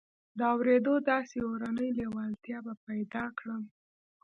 د اورېدو داسې اورنۍ لېوالتیا به پيدا کړم.